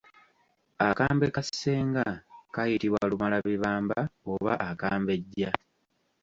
Akambe ka ssenga kayitibwa Lumalabibamba oba Akambejja.